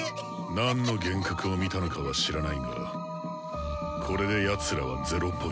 何の幻覚を見たのかは知らないがこれでやつらは０Ｐ。